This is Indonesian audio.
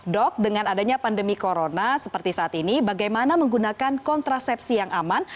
dok dengan adanya pandemi corona seperti saat ini bagaimana menggunakan kontrasepsi yang aman